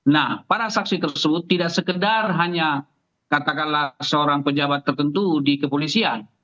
nah para saksi tersebut tidak sekedar hanya katakanlah seorang pejabat tertentu di kepolisian